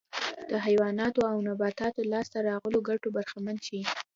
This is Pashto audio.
د حیواناتو او نباتاتو لاسته راغلو ګټو برخمن شي